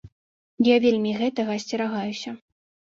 Я вельмі гэтага асцерагаюся.